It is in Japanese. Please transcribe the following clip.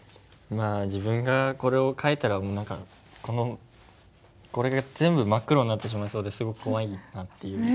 まあ自分がこれを書いたらこれが全部真っ黒になってしまいそうですごく怖いなっていう。ね。